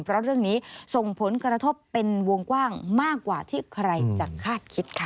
เพราะเรื่องนี้ส่งผลกระทบเป็นวงกว้างมากกว่าที่ใครจะคาดคิดค่ะ